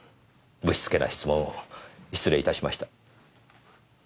ぶしつけな質問を失礼いたしました。